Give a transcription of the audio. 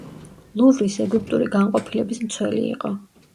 ლუვრის ეგვიპტური განყოფილების მცველი იყო.